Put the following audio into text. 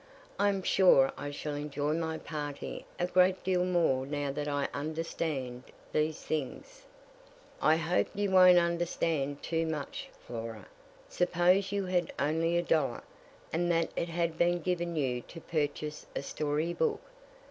"I am sure I shall enjoy my party a great deal more now that I understand these things." "I hope you won't understand too much, Flora. Suppose you had only a dollar, and that it had been given you to purchase a story book.